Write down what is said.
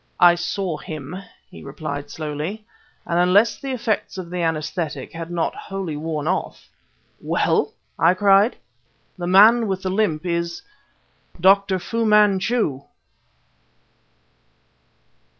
"I saw him!" he replied slowly; "and unless the effects of the anaesthetic had not wholly worn off ..." "Well!" I cried. "The man with the limp is _Dr. Fu Manchu!